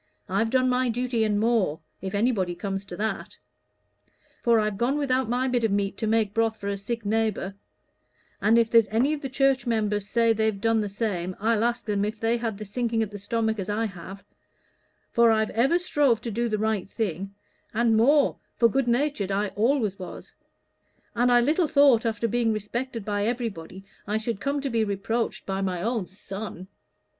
I've done my duty, and more, if anybody comes to that; for I've gone without my bit of meat to make broth for a sick neighbor: and if there's any of the church members say they've done the same, I'd ask them if they had the sinking at the stomach as I have; for I've ever strove to do the right thing, and more, for good natured I always was; and I little thought, after being respected by everybody, I should come to be reproached by my own son.